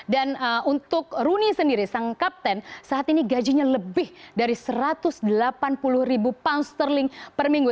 dan untuk rooney sendiri sang kapten saat ini gajinya lebih dari satu ratus delapan puluh ribu pound sterling per minggu